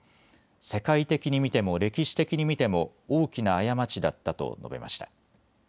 世界的に見ても歴史的に見ても大きな過ちだったと述べました。